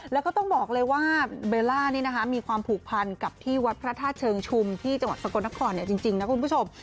แล้วก็ต้องบอกเลยว่าเบลล่านี่นะคะมีความผูกพันกับที่วัดพระธาตุเชิงชุมที่จังหวัดสกลนครจริงนะคุณผู้ชม